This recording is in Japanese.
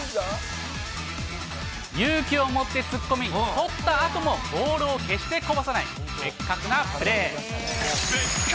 勇気を持って突っ込み、捕ったあともボールを決してこぼさない、ベッカクなプレー。